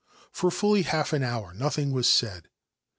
For fully half an hour nothing was said.